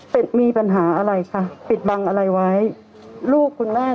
เป็นมีปัญหาอะไรค่ะปิดบังอะไรไว้ลูกคุณแม่